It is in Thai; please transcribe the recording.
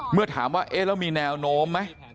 เมื่อถามว่าเอ๊ะแล้วมีแนวโน้มไหม